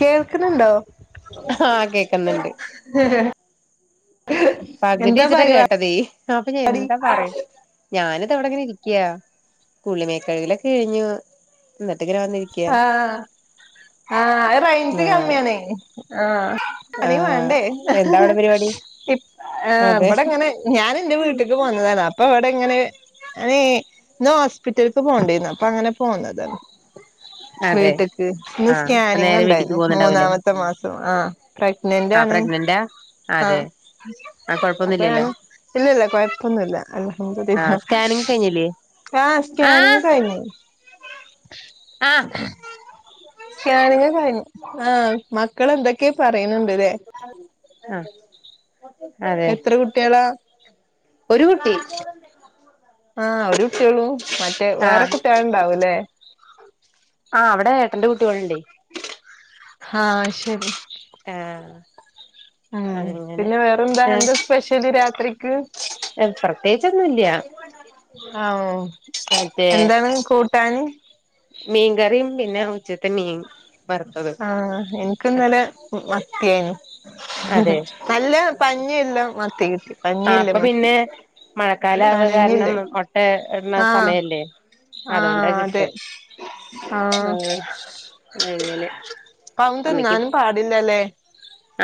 കേൾക്കുന്നുണ്ടോ ആഹ് കേക്കുന്നുണ്ട് പകുതി ഇച്ചട്ട പരിപാടി കേട്ടതീ അപ്പൊ എന്താ പറയും ഞാന് എവിടെങ്ങനെ ഇരിക്കയാ കുളിമേക്കഴികലൊക്കെ കഴിഞ്ഞു എന്ന ആ ആ റേഞ്ച് ആഹ് കമ്മിയണ ആ അണ ആഹ് വേണ്ടേ എന്താ അവിടെ പരിപാടി അതെ ഇവിടെങ്ങനെ ഞാൻ എന്റെ വീട്ടിക്ക് പോന്നതാണ് അപ്പൊ ഇവിടെ ടെങ്ങനെ അ ഇ ഹോസ്പിറ്റൽക്ക് പോകണ്ടിന്ന അപ്പൊ അങ്ങനെ പോന്നത അതെ വീട്ട്ക്ക് ഇന്ന് ആഹ് അപ്പൊ സ്കാനിങ് നേരെ വീട്ടിക്ക് ഉണ്ടായിരുന്നു പോകുന്നുണ്ടാവൂലേ മൂന്നാമത്തെ മാസം ആ പ്രഗ്നന്റ് ആ ആണ് പ്രഗ്നന്റാ അതെ ആഹ് ആ അപ്പൊ കൊഴപ്പൊന്നുംല്ലല്ലോ ഞാന് ഇല്ല ഇല്ല കുഴപ്പൊന്നുംല്ല ആഹ് അൽഹംദുലില്ലാഹ് സ്കാനിങ് കഴിഞ്ഞില്ലേ ആ സ്കാനിംഗ് ആഹ് കഴിഞ്ഞു ആഹ് സ്കാനിങ് കഴിഞ്ഞു ആ മക്കള് എന്തൊക്കെയ പറയുന്നുണ്ടല്ലേ ആ എത്ര കുട്ടികളാ ഒരു കുട്ടി ആ ഒരു കുട്ടിയള്ളൂ മറ്റേ വേറെ ആഹ് കുട്ടികൾ ഉണ്ടാവൂല്ലേ ആഹ് അവിടെ ഏട്ടന്റെ കുട്ടികളുണ്ട് ആ ശരി ആഹ് ഉ അങ്ങനെ പിന്നെ വേറെന്താ എന്താ സ്പെഷ്യല് രാത്രി പ്രത്യേകിച്ചൊന്നും ഇല്ല ആ എന്താണ് കൂട്ടാന് മീൻകറിയും പിന്നെ ഉച്ചത്തെ മീൻ വറുത്തതും ആ എ ന്നല മത്തിയായിന് അതെ നല്ല പരിഞ്ഞിൽ ഉള്ള മത്തി കിട്ടി ആ പഞ്ഞില്ലേ അപ്പൊ മത്തി പിന്നെ മഴക്കാല ആവ് കാരണം പനഞ്ഞില്ലേ മൊട്ട ഇടുന്ന സമയല്ലേ ആ അതുകൊണ്ടാ അതെ കിട്ടും ആ ആഹ് അങ്ങനെ ഇപ്പ അമ്മയ്ക്ക് തിന്നാനും പാടില്ലല്ലേ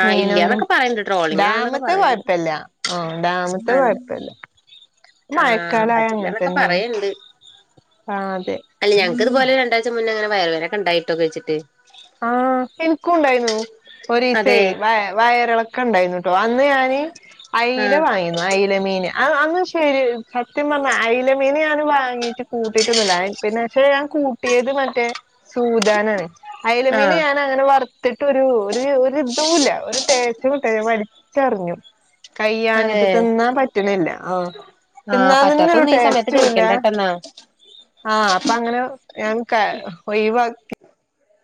ആ മീനൊന്നും ഇല്ല്യാന്നൊക്കെ പറയണ്ട് ട്രോളിങ് ആന്നൊക്കെ ഡാമത്തെ പറയണ്ട് കൊഴപ്പല്ല ആ ഡാമത്തെ കുഴപ്പല്ല ആ പറ്റില്ലന്നൊക്കെ പറയണ്ട് ആ അതെ അല്ല ഞങ്ങക്ക് ഇതുപോലെ രണ്ടാഴ്ച്ച മുന്ന അങ്ങനെ വയറ് വേദന ഒക്കെ ഉണ്ടായി കേട്ടോ കഴിച്ചിട്ട് ആ എനിക്കും ഉണ്ടായിരുന്നു ഒരുദിവസേ അതെ വ വയറിളക്ക ഉണ്ടായിന്നട്ടോ അ ഞ അല ആഹ് വാങ്ങു അലമീന് അ ശരി പറ അയലമീൻ ഞാൻ വാങ്ങീട്ട് കൂട്ടിട്ട്ന്നില്ല പിന്നെ പക്ഷെ ഞാൻ കൂട്ടിയത് മറ്റേ സൂദാനാണ് അയലമീന് ആഹ് ഞൻ അങ്ങനെ വ ത്തിട്ടരു ഒരിതല്ല ഒരു ടേസ് കിട്ട ഞൻ വലിച്ചറിഞ്ഞു അതെ കൈയാഞ്ഞിട്ട് തിന്നാൻ പറ്റണില്ല ആ ആഹ് തിന്നാൻ തന്നൊരു പറ്റാത്തൊന്നും ഈ സമയത്ത് ടേസ്റ്റു ഇല്ല കഴിക്കണ്ടട്ടന്നാ ആ അപ്പൊ അങ്ങനെ ഞാൻ ക ഒഴിവാക്കി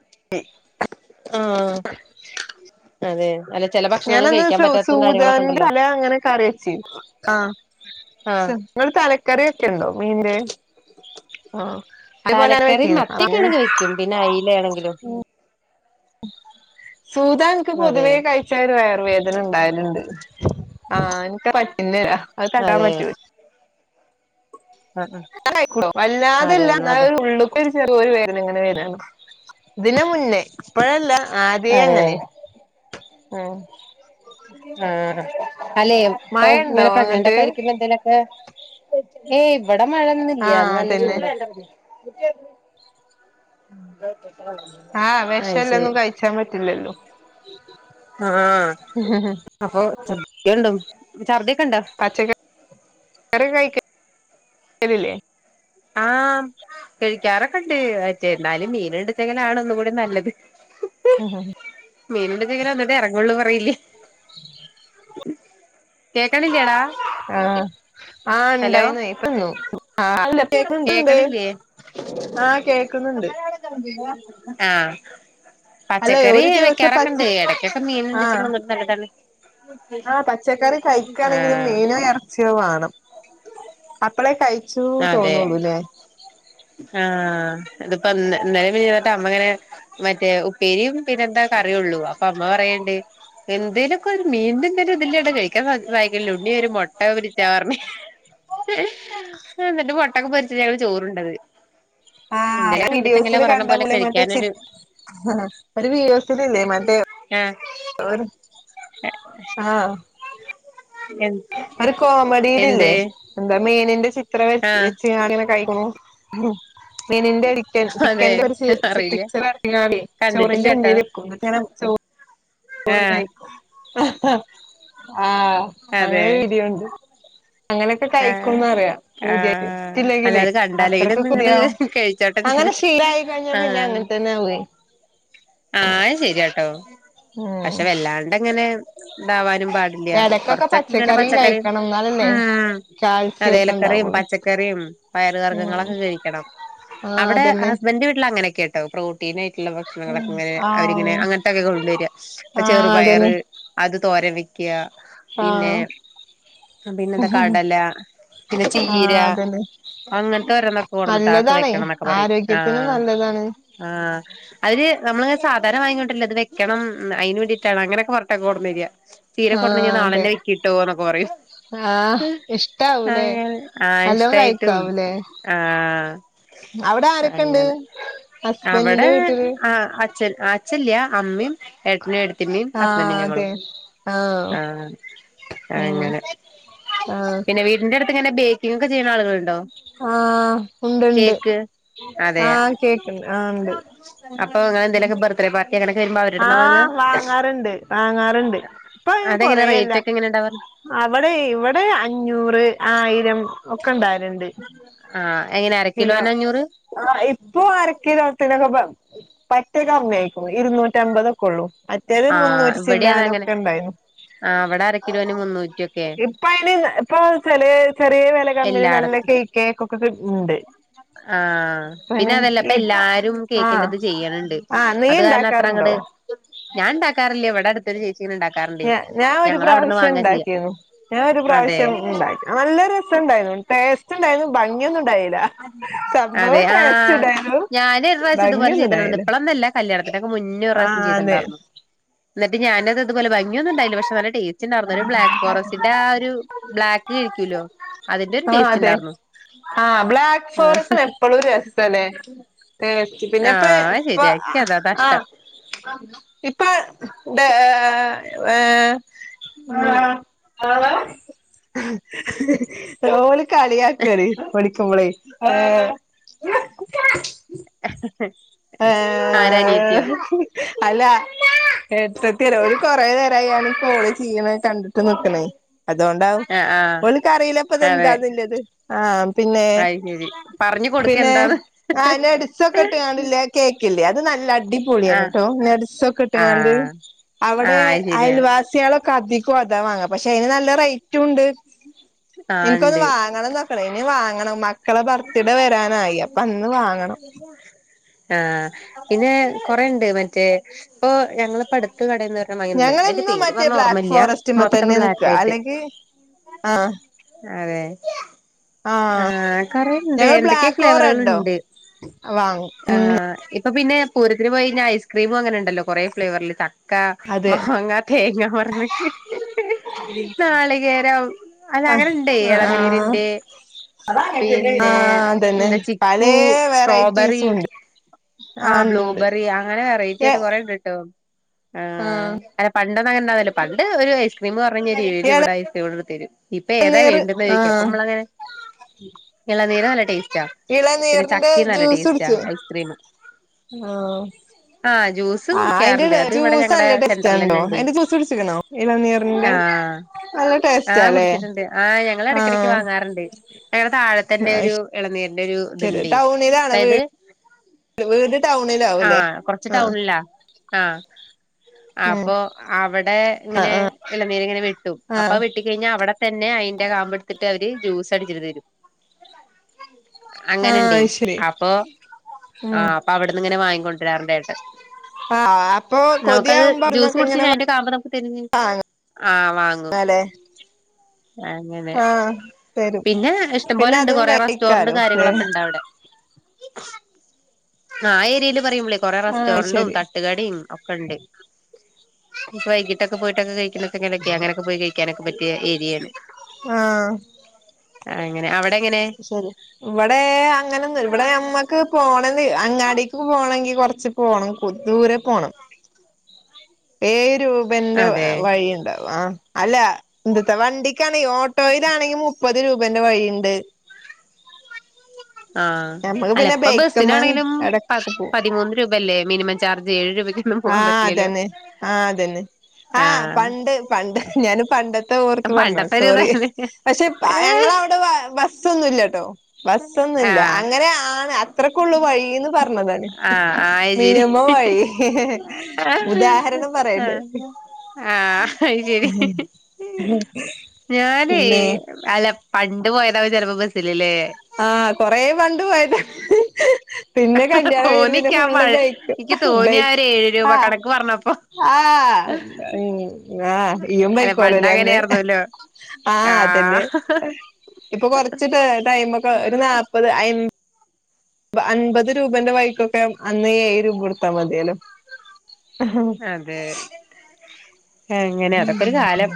[unintelligible] ആ അതെ അല്ല ചില ഭക്ഷണങ്ങൾ ഞാനന്ന് കഴിക്കാൻ സൂ പറ്റാത്തതും കാര്യങ്ങളൊക്കെ സൂദാന്റെ ഉണ്ടല്ലോ തല അങ്ങനെ കറിവെച്ചി ആ ആഹ് ശോ നിങ്ങൾ തലക്കറി വെക്കെണ്ടോ മീന്റെ ആ തലക്കറി മത്തിക്കെ ആണെങ്കി വയ്ക്കും പിന്നെ അയ്‌ല ആണെങ്കിലും സൂദ എനിക്ക് അതെ പൊതുവേ കഴിച്ചേരുവയറിനു വേദന ഇണ്ടായലിണ്ട് ആ എനിക്ക് പറ്റുന്നില്ല അത് കടാൻ അതെ പറ്റൂ ആഹ് ആഹ് [unintelligible] അതെ വല്ലാതില്ല എന്നാ എന്ന അത് ഉള്ളക്ക് ചെറിയോരു വേദന ഇങ്ങനെ വരാണ് ഇതിനുമുന്നെ ഇപ്പഴല്ല ആദ്യേ അതെ അങ്ങനെ ആ ആ അലേ ഇപ്പൊ മഴ ഉണ്ടോ ഇങ്ങനെ പ്രഗ്നന്റ് അങ്ങട്ട് ഒക്കെ ആയിരിക്കുമ്പ എന്തേലൊക്കെ ഏയ് ഇവിടെ മഴൊന്നില്ല ആഹ് ഇന്ന് നല്ല അതന്നെ ചൂട [unintelligible] ഓക്കെ ആഹ് അയ് ശരി വിഷല്ലൊന്നും കഴിച്ചാൻ പറ്റില്ലല്ലോ ആ അപ്പൊ [unintelligible] ഉണ്ടോ പച്ചക്കറി കഴിക്കലില്ലെ ആ കഴിക്കാറക്കെ എണ്ട് മറ്റേ എന്നാലും മീനെടുത്തങ്കിലാണ് ഒന്നും കൂടെ നല്ലത് ഉ ഹും മീനന്റെണ്ടെങ്കിലെ [unintelligible] ഇറങ്ങള്ളൂന്ന് പറയില്ലേ കേക്കണില്ലേടാ ആ ആ ഹലോ എണ്ടായിന്നു ഇപ്പനിന്നു കേക്കണ്ട് കേക്കണില്ലേ [unintelligible] ആഹ് കേക്ക്ന്നിണ്ട് ആ അല്ലെ പച്ചക്കറി ഒരു ദിവസം വെക്കാറൊക്കെ ഇണ്ട് പച്ച എടക്കൊക്കെ മീൻ ഇണ്ടെച്ചെന്ന നല്ലതാണ് ആ പച്ചക്കറി കഴിക്കാണെങ്കിലും ആഹ് മീനോ ഇറച്ചിയോ വേണം അപ്പളെ കയി അതെ ആ ഇതിപ്പോ നെ നെലവി [unintelligible] അമ്മങ്ങനെ മറ്റേ ഉപ്പേരിയും പിന്നെ എന്താ കറിയുള്ളൂ അപ്പൊ അമ്മ പറയണ്ട് എന്തേലുക്കെ ഒരു മീന്റെ എന്തലും ഇതില്ലാതെ കഴിക്കാൻ സാദ് സായിക്കില്ല ഉണ്ണി ഒര് മൊട്ട പൊരിച്ച പർഞ്ഞ് എന്നിട്ട് മൊട്ടക്കെ പൊരിച്ച് ഞങ്ങള് ചോറിണ്ടത് ആ വിഡിയോസിൽ കണ്ട പോലെ മറ്റേ ചി കഴിക്കാനൊരു ആ ഒരു [unintelligible] ഇല്ലേ മറ്റേ ആഹ് [unintelligible] ആ എ ഒരു കോമഡിയിലല്ലേ എന്ത് എന്താ മീനിന്റെ ത്ര വെച് ആഹ് വെച്ചിങ്ങടനെ കഴിക്കണു മീനിന്റെ ചിക്കൻ അതെ ചിക്കന്റെ ഒരു [unintelligible] അറിയില്ല പിക്ച്ചറ [unintelligible] ചോറിന്റെ കണ്ടിട്ടില്ലാട്ടോ മുന്നൽ വക്കും എന്നട്ടിങ്ങനെ ചോ ആഹ് [unintelligible] ആ അങ്ങനെ അതെ വീഡിയോ ഇണ്ട് അങ്ങനെയൊക്കെ ആഹ് കഴിക്കുംന്ന് അറിയ ആഹ് പുതിയിതില്ലെങ്കിലേ അല്ലാതെ കണ്ടാലെങ്കിലും അത്രൊക്കെ ഒന്ന് ഇങ്ങട് പുതിയാ അങ്ങന അങ്ങനെ കഴിച്ചോട്ടെന്ന് ശില ആയി കഴിഞ്ഞ പിന്നെ അങ്ങനെ തന്നെ ആവുവേ ആ അത് ശരിയാട്ടോ ഉം പക്ഷെ വല്ലാണ്ട് അങ്ങനെ ഇണ്ടാവാനും പാടില്ല എടക്കൊക്കെ കൊറച്ചൊക്കെ ഇങ്ങനെ പച്ചക്കറിയും പച്ചക്കറി കഴിക്കണം എന്നാലല്ലേ ഇം കാൽസ്യം അതെ ഒക്കെ എലക്കറിം ഉണ്ടാവുള്ളൂ പച്ചക്കറിം പയറ് ഉം വർഗങ്ങളൊക്കെ കഴിക്കണം. ആഹ് അവടെ അതന്നെ ഹസ്ബൻ്റെ വീട്ടിൽ അങ്ങനെൊക്കെട്ടോ പ്രോട്ടീനയ് [unintelligible] ഭക്ഷണങ്ങളൊക്കെ ഇങ്ങനെ അവരിങ്ങനെ ആഹ് അങ്ങനതൊക്കെ കൊണ്ടുവരിക ഇപ്പൊ ആഹ് ചെറുപയറ് അതന്നെ അത് തോരൻ വെ പിന്നെ ആഹ് പിന്നെന്താ കടല പിന്ന ചീര ആഹ് അതന്നെ അങ്ങൻത്തൊരോന്നൊക്കൊ ടന്നിട്ട് അഒക്കെ നല്ലതാണേ വെക്കണം ന്നൊക്ക പറയും. ആ ആരോഗ്യത്തിനും നല്ലതാണ് ആ. അതിന് നമ്മള് സാധനം [unintelligible] ത് വെക്കണം ന്ന് അയിന് വേണ്ടിട്ടാണങ്ങന [unintelligible] കൊടന്നെര തീരെ ആഹ് [unintelligible] അതെ ആളെന്നെ കിട്ടോ ന്നൊക [unintelligible] ആഹ് ഹ് ഇഷ്ടാവൂലേ [unintelligible] നല്ലോം ആയിഷ്ടയിട്ടും കഴിക്കാവൂലേ ആ അവിടെ ആരൊക്കെണ്ട് അങ്ങനെ. ഹസ്ബൻഡിന്റെ അവടേ വീട്ടില് ആ അച്ഛൻ അച്ചല്യ അമ്മീം ഏട്ടനും ഏ ടത്യമ്മേം ആഹ് ഹസ്ബൻറും അതെ ഞങ്ങളും ആഹ് ആഹ ആ ഇങ്ങനെ ആഹ പിന്ന ബേക്കിങ് ഒക്ക ചെയ്യണ ആളുകളുണ്ടോ ആഹ ഉണ്ട്ണ്ട് കേക്ക് അതെ ആഹ് കേക്കണ്ട് ആഹ ഉണ്ട് ആ അങ്ങനെന്തെലൊക്കെ ബർത്തഡേ പാർട്ടി അങ്ങനൊക്കെ വരുമ്പോ അവരെടുന്നാ ആഹ വാങ്ങ വാങ്ങാറുണ്ട് വാങ്ങാറുണ്ട് പ്പൊ അതെങ്ങനെ കൊറയില്ല റേറ്റ് ഒക്കെ എങ്ങനെ ഉണ്ടാവാറ് അവടെ ഇവിടെ അഞ്ഞൂറ് ആയിരം ഒക്കെ ഇണ്ടാവല്ണ്ട് ആഹ് എങ്ങനെ അര പിന്നെ കിലോന് അഞ്ഞൂറ് ആ ഇപ്പൊ അരക്കിലൊതിനൊക്കെ പറ്റെ കമ്മിയാരിക്കും ഇരുന്നൂറ്റംബതൊക്കെ ഒള്ളു മറ്റേത് ആഹ് മുന്നൂറ്റി ഇവിടെ അത അങ്ങനെ ചില്ലാനൊക്കെ ണ്ടായിന്നു ആഹ് ഇവിടെ അരക്കിലോന് മുന്നൂറ്റിയൊക്കെ ഇപ്പയ്ന് ഇപ്പം ചെറ്യേ ചെറിയ വെല കമ്മില് നല്ലെ എല്ലാടത്തും കേക്കൊക്കെ കിട്ടിണിണ്ട് ആഹ പിന്നതല്ല പ്പൊ എല്ലാരും ആഹ് കേക്കിന്റത് ചെയ്യണണ്ട് ആഹ് നീ അത് കാരണം അത്ര ഉണ്ടാക്കാറുണ്ടോ അങ്ങടെ ഞാൻ ണ്ടാക്കാറില്യ വ്ടെ അടുത് ഞ ഞാൻ ഒരു അവിടുന്ന് വാങ്ങാ ചെയ്യാ പ്രാവശ്യണ്ടാക്കിരുന്നു ഞാൻ ഒരു അതെ പ്രാവശ്യം ഉണ്ടാക്കി നല്ല രസണ്ടായിരുന്നു ടേസ്റ്റ്ണ്ടായിരുന്നു ഭംഗിയൊന്നുണ്ടായിരുന്നു അത്‌ അതെ ആഹ് ഉണ്ടായിരുന്നു ഞാന് ഒരുപ്രാശ്യം ഇതുപോലെ ഭംഗിയൊന്നും ചെയ്തി ഉണ്ടായില്ല ഇപ്പളന്നല്ല കല്യാണത്തിനൊക്കെ മു മുന്നേ ഒരുറാശ്യം ആഹ് അതെ ചെയ്തിട്ടണ്ടായിരുന്നു ന്നിട്ട് ഞാനത് അതുപോലെ ഭംഗ്യൊന്നുണ്ടായില പക്ഷേ നല്ല റ്റേസ്റ്റ്ണ്ടാർന്നു ന്നാലും ബ്ലാക്ക് ഫോറെസ്റ്റന്റെ ആ ഒരു ബ്ലാക് കഴിക്കൂലോ ആഹ് അതെ ആഹ് ബ്ലാക്ക് ആഹ് ഫോറസ്റ്റാണ് എപ്പളും രസല്ലേ ടേസ്റ്റ് പിന്നെ ആഹ് പ്പൊ ശരിയാ എനിക്ക് അതാ അതാ ആഹ് ഇഷ്ടം ഇപ്പ [unintelligible] ഏഹേ ഓള് കളിയാക്കാണ് പഠിക്കുമ്പളെ ഏ ആരാ അനിയത്ത്യോ അല്ല ഏട്ടത്ത്യറ ഓരു കൊറേ നേരായി കാേൾ ചെയ്യ്ണ് കണ്ട് അതോണ്ടാവും ആഹ് ആഹ് ഓൾക്കറീല ഇപ്പത് അതെ എന്താന്ന് ല്ലത് ആഹ് പിന്നെ അത് ശരി പറഞ്ഞു കൊടുക്ക് പിന്നെ എന്താന്ന് ആ നഡ്സ് ഒക്കെ ഇട്ട്ങ്ങാണ്ട് ല്ലെ കേക്ക്ല്ലെ അത് നല്ല അടി അടിപൊള്യാണ് ആഹ് ട്ടോ നെഡ്‌സൊക്കെ ഇട്ടങ്ങാണ്ട് ആഹ് അവടെ ആഹ് അത് ശരിയാ അയൽവാസ്യോളൊ കതികും അതാ വാങ്ങ പക്ഷെ അതിന് നല്ല റൈറ്റു ഉണ്ട് ആഹ് ഇൻക്കൊന്ന് ഉണ്ട് വാങ്ങണന്നൊക്കെണ്ട് ഇനി വാങ്ങണം മക്ക മക്കളെ ബർത്ത്ഡേ വരാനായി അപ്പൊ അന്ന് വാങ്ങണം അ ആഹ് പിന്നെ കൊറേണ്ട് മറ്റേ ഇപ്പൊ ഞങ്ങള്പ്പോ അടുത്ത് കടേന്നു ഞങ്ങള് ഇന്നും മറ്റേ ബ്ലാക്ക് ഫോറസ്റ്റ്മ്മ മൊത്തം തന്നെ നിക്ക ബ്ലാക്ക് ആയിട്ട് അല്ലെങ്കി ആ അതെ ആ കറിയിണ്ട് ഞങ്ങള് എന്തൊക്കെ ബ്ലാക്കോ റെഡോ ഫ്ലേവറുകളിണ്ട് വാങ്ങും ഉം ആഹ് ഇപ്പൊ പിന്നെ പൂരത്തിന് പോയിഞ്ഞാൽ ഐസ്ക്രീമും അങ്ങനെ എണ്ടല്ലോ കുറെ ഫ്ലേവറില് ചക്ക അതെ മാങ്ങ തേങ്ങ പറഞ്ഞ് [unintelligible] നാളികേരം അത് ആഹ് അങ്ങനുണ്ടേ ആഹ് ഇളനീരിന്റെ ആഹ് പിന്നെ അതന്നെ എന്താ ചിക്കു പലേ സ്ട്രോബെറി വെറൈറ്റീസും ഉണ്ട് ആ. ആഹ് ഉണ്ട്ണ്ട് ബ്ലൂബെറി അങ്ങനെ വെറൈറ്റി ആയിട്ട് കൊറേണ്ട് കേട്ടോ ആഹ് ആ പണ്ടന്നങ്ങനെ ണ്ടാവില്ല പണ്ട് ഒരു ഗയിംസ് ക്രീം പറഞ്ഞ ഇവിടവിടെടു [unintelligible] തരും ഇപ്പൊഏതാ ഇളനീർ വേണ്ട ചോദിക്ക അപ്പം ആഹ് നമ്മളങ്ങനെ എല്ലാനേരവും അല ഇള നീരീന്റെ ജ്യൂസ് ടേസ്റ്റാ കുടിച്ചു ഐസ്ക്രീം ആ ആഹ് ജ്യൂസ് ആ അയിന്റെ കുടിക്കാറുണ്ട് അത് ഇവിടെ ജ്യൂസ് ഞങ്ങടെ നല്ല ടെസ്റ്റണ്ടോ സെന്ററിലെന്നെ ഇണ്ട് അതിന്റെ ജ്യൂസ് കുടിച്ചിക്കണോ ഇലനീരീന്റെ ആഹ് ആ കുടിച്ചിട്ടുണ്ട് ആഹ് ഞങ്ങൾ ഇടക്കിടക്ക് ആഹ് വാങ്ങാറുണ്ട് അങ്ങെ താഴെ തന്നെ അയ് ഒരു ഇളനീരന്റെ ഒരു ശരി ഇതുണ്ട് ടൗണിലാണ് അതായത് വീട് വീട് ആ ടൗണിലാവൂല്ലേ കൊറച്ച് ആഹ് ടൗണിലാ ആ ഉം അപ്പൊ അവിടെ ആഹ് ഇങ്ങനെ ആഹ് ഇളനീരി ഇങ്ങനെ വെട്ടും അപ്പൊ ആഹ് വെട്ടിക്കഴിഞ്ഞാൽ അവിടെ തന്നെ അയിറെ കാമ്പ് എടുത്തിട്ട് അവര് ജ്യൂസ് അടിച്ചിട്ട് തരും ആഹ് അങ്ങനുണ്ടേ അയ് ശരി അപ്പൊ ഉം ആഹ് അപ്പൊ അവിടുന്ന് ഇങ്ങനെ വാങ്ങിക്കൊണ്ടരാറുണ്ട് ഏട്ടൻ ആഹ് അപ്പൊ നമുക്കത് കൊതിയാവുമ്പോ ജ്യൂസ് അവിടുന്നൊക്കെ ഇങ്ങനെ കുടിച്ച് അതിന്റെ കാമ്പ് [unintelligible] അ വാങ്ങും അങ്ങനെ അ തരും പിന്നെ ഇഷ്ടംപോലെ പിന്നെ ഉണ്ട് അതും കൊറെ റെസ്റ്റോറന്റ് കഴിക്കാലോ ല്ലേ കാര്യങ്ങളൊക്കെ ഉണ്ട് അവിടെ അ ഏരിലും പറയുമ്പള കൊറെ ആഹ് റസ്റ്റോറണ്ടും ശരി തട്ടുകടയും ഒക്കെ ഉണ്ട് ഇപ്പ വൈകിട്ടക്ക പോയിട്ടക്ക കൈ [unintelligible] അങ്ങനെ പോയി കഴിക്കാൻ പറ്റിയ ഏരിയ ണ് ആഹ് അങ്ങനെ എങ്ങനെ ശരി ഇവിടെ അങ്ങനെന്ന ഇവിടെ നമ്മക്ക് പോണന്ന് അങ്ങാടിക്ക് പോണമെങ്കി കൊറച്ച് പോണം ദൂരെ പോണം ഏഴ് രൂപന്റെ അതെ വഴിയുണ്ടാവും ആ അല്ല എന്തത്തെ വണ്ടിക്കാണെങ്കിൽ ഓട്ടോയിലാണെങ്കി മുപ്പത് രൂപേന്റെ വഴിയുണ്ട് ആഹ ഞമ്മക്ക് അല്ല പിന്നെ ഇപ്പ ബൈക്ക്മ്മ ബസിനാണെങ്കിലും എടക്കൊക്കെ പോവും പതിമൂന്ന് രൂപ അല്ലേ മിനിമം ചാർജ് ഏഴു രൂപ ആഹ് അതന്നെ ആഹ് അതന്നെ ആഹ പണ്ട് പണ്ട് ഞാന് പണ്ടത്തെ ഓർത്ത് ആഹ് പറഞ്ഞ പണ്ടത്തെ ഒരു സോറി ഇതാണ് പക്ഷെ ഞങ്ങള അവിടെ ബസ്സൊന്നും ഇല്ല ബസ്സൊന്നല്ല ആഹ് അങ്ങനെ ആണ് അത്രക്കള്ളൂ വഴിന്ന് പറഞ്ഞതാണ് ആയ്ചരി മിനിമം വഴി ഉദാഹരണം പറയണ്ട് ആ ആഹ ശരി ഞാനേ പിന്നെ അല്ല പണ്ട് പോയത ചിലപ്പോ ബസ്സില്ലേ ആഹ കൊറ പണ്ട് പോയതാ പിന്നെ കല്യാണ വൈർവിനെ തോന്നിക്ക് ആ പഴ ഫുള്ളും ബൈക്ക് എനിക്ക് തോന്നി ആ ബൈക്ക് ഒരു ഏഴ് രൂപ ആ കണക്ക് പറഞ്ഞപ്പോ ആഹ് ഉ ആ ഇ്യ അല്ല പണ്ട് മയിക്കോലല്ലേ അന്ന് അങ്ങനെയായിരുന്നല്ലോ ആഹ അതന്നെ ആഹ് ഇപ്പൊ കൊറച്ച് ടൈമ ഒ ഒരു നാല്പത് അ അൻപത് രൂപന്റെ വൈക്കൊക്കെ അന്ന് ഏ് രൂപ കൊടുത്താ മതിയാലോ അതെ എങ്ങനെ അതൊക്കൊരു കാലം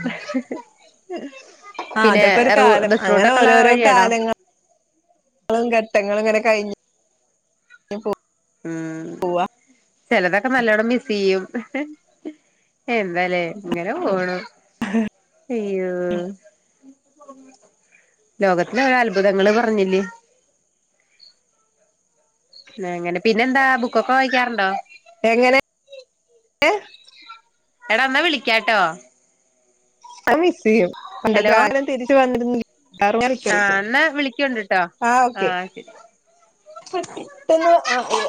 ആ പിന്നെ അതൊക്കെ ഒരു റൂ കാലം ബസ് അങ്ങനെ റൂട്ടൊക്കെ ഉള്ള ഓരോരോ വഴിയാണോ കാലങ്ങൾ ഘട്ടങ്ങളും ഇങ്ങന കഴിഞ്ഞ ഉം ചിലതൊക്കെ നല്ലോണം മിസ് ചെയ്യും എന്താലേ ഇങ്ങനെ പോണ് അയ്യോ ലോകത്തിലെ ഒര അത്ഭുതങ്ങള് പറഞ്ഞില്ലേ അങ്ങനെ പിന്നെന്താ ബുക്കൊക്കെ വായിക്കാറുണ്ടോ എങ്ങനെ എടാ ന്ന് വിളിക്കാട്ടോ ആ മിസ് ചെയ്യും ഹലോ പണ്ടത്ം തിരിച്ചു വന്നിുന്ന ആഹ് എന്നാ വിളിക്കോണ്ടിട്ടോ ആഹ ഓക്കെ ആഹ് ശരി പെട്ടെന്ന് ആ